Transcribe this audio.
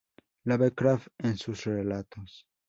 Lovecraft en sus relatos.